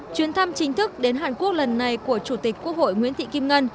chuyến thăm chính thức đến hàn quốc lần này của chủ tịch quốc hội nguyễn thị kim ngân